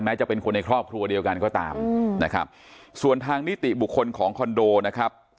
จะเป็นคนในครอบครัวเดียวกันก็ตามนะครับส่วนทางนิติบุคคลของคอนโดนะครับ